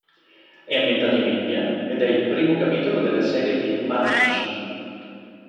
È ambientato in India ed è il primo capitolo della serie di "Mark Mission".